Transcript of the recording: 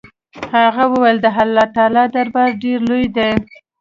هغه وويل د الله تعالى دربار ډېر لوى دې.